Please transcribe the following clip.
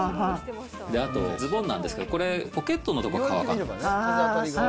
あと、ズボンなんですけど、これ、ポケットのところが乾かない。